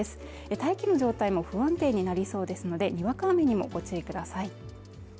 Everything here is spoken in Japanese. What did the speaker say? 大気の状態も不安定になりそうですのでにわか雨にもご注意ください。